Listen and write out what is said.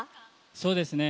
そうですね。